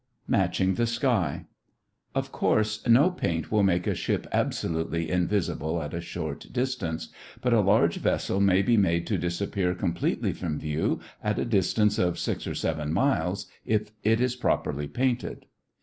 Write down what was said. MATCHING THE SKY Of course, no paint will make a ship absolutely invisible at a short distance, but a large vessel may be made to disappear completely from view at a distance of six or seven miles if it is properly painted.